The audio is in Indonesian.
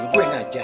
lu dulu yang ngajak